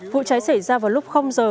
vụ cháy xảy ra vào lúc giờ